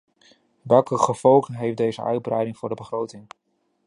Welke gevolgen heeft deze uitbreiding voor de begroting?